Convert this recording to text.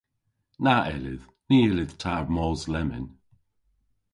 Na yllydh. Ny yllydh ta mos lemmyn.